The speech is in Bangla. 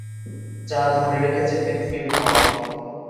যা ধরে রেখেছে পৃথিবীর ভর।